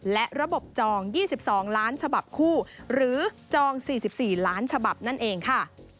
และระบบจอง๒๒ล้านฉบับคู่หรือจอง๔๔ล้านฉบับนั่นเองค่ะ